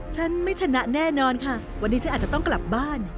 ฉันไม่ชนะแน่นอนค่ะวันนี้ฉันอาจจะต้องกลับบ้าน